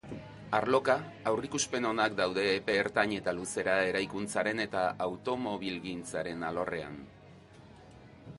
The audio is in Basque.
Arloka, aurreikuspen onak daude epe ertain eta luzera eraikuntzaren eta automobilgintzaren alorrean.